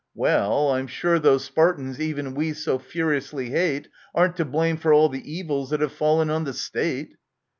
Well, I'm sure those Spartans even we so furiously hate Aren't to blame for all the evils that have fallen on the State.